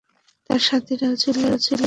তার সাথিরাও ছিল যথেষ্ট অভিজ্ঞ।